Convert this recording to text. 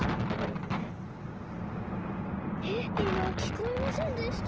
えっいまきこえませんでした？